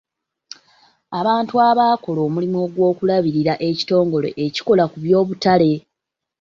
Abantu abakola omulimu ogw'okulabirira ekitongole ekikola ku by'obutale.